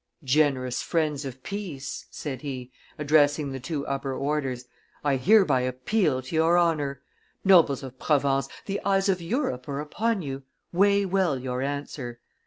"Generous friends of peace," said he, addressing the two upper orders, "I hereby appeal to your honor! Nobles of Provence, the eyes of Europe are upon you, weigh well your answer!